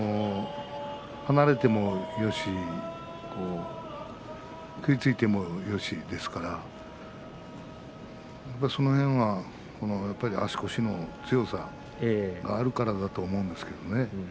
離れてもよし食いついてもよしですからその辺は足腰の強さがあるからだと思うんですけどね。